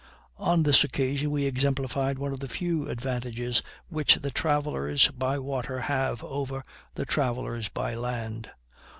On this occasion we exemplified one of the few advantages which the travelers by water have over the travelers by land.